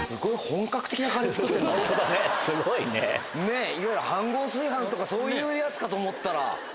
ホントだね。ねぇいわゆる飯ごう炊飯とかそういうやつかと思ったら。